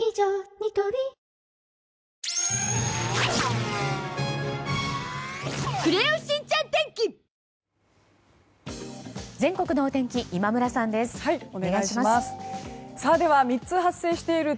ニトリ全国のお天気今村さんです。